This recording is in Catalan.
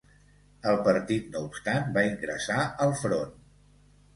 El partit no obstant va ingressar al Front.